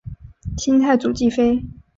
清太祖继妃。